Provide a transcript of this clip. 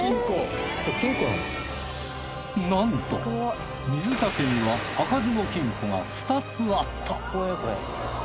なんと水田家には開かずの金庫が２つあった。